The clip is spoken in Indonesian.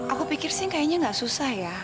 aku pikir sih kayaknya nggak susah ya